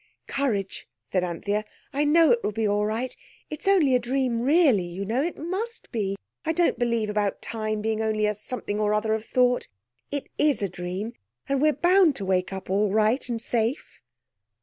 "Courage!" said Anthea. "I know it will be all right. It's only a dream really, you know. It must be! I don't believe about time being only a something or other of thought. It is a dream, and we're bound to wake up all right and safe."